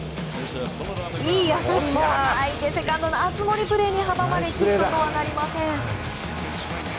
いい当たりも相手セカンドの熱盛プレーに阻まれヒットとはなりません。